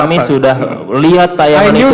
kami sudah lihat tayangan itu